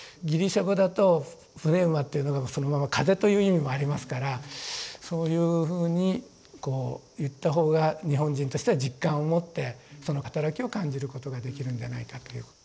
ギリシャ語だと「プネウマ」というのがそのまま「風」という意味もありますからそういうふうにこう言った方が日本人としては実感をもってその働きを感じることができるんではないかという。